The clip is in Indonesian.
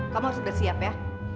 kamu harus udah siap ya